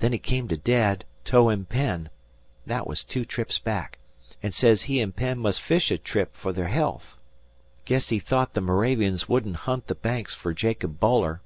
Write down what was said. Then he come to Dad, towin' Penn, thet was two trips back, an' sez he an' Penn must fish a trip fer their health. 'Guess he thought the Moravians wouldn't hunt the Banks fer Jacob Boiler.